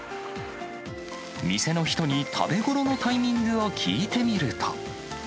店の人に食べごろのタイミングを聞いてみると。